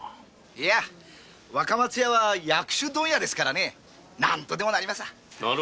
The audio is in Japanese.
若松屋は薬種問屋ですからなんとでもなりますよ。